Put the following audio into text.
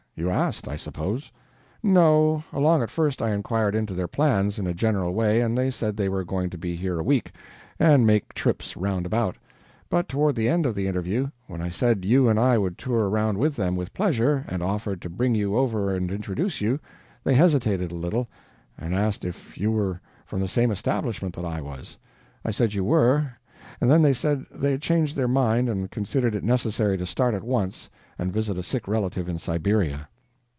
You asked, I suppose?" "No, along at first I inquired into their plans, in a general way, and they said they were going to be here a week, and make trips round about; but toward the end of the interview, when I said you and I would tour around with them with pleasure, and offered to bring you over and introduce you, they hesitated a little, and asked if you were from the same establishment that I was. I said you were, and then they said they had changed their mind and considered it necessary to start at once and visit a sick relative in Siberia."